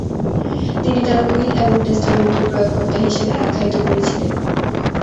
তিনি তার উইল এবং টেস্টামেন্ট এর প্রয়োগকর্তা হিসেবে আখ্যায়িত করেছিলেন।